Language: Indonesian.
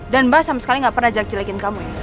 dan mbak sama sekali gak pernah jagjelekin kamu ya